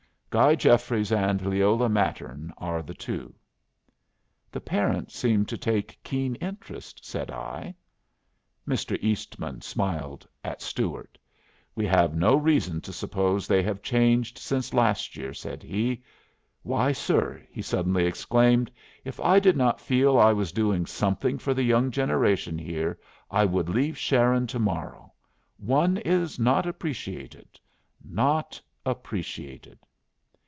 Guy Jeffries and Leola Mattern are the two." "The parents seem to take keen interest," said I. Mr. Eastman smiled at Stuart. "We have no reason to suppose they have changed since last year," said he. "Why, sir," he suddenly exclaimed, "if I did not feel I was doing something for the young generation here, I should leave Sharon to morrow! One is not appreciated, not appreciated."